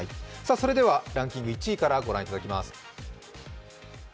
ランキング１位からご覧いただきます。